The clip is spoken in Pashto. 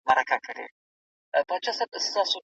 هر کار په پیل کې سخت وي.